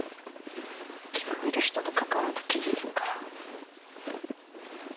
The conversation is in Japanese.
聞こえる人と関わると傷つくから。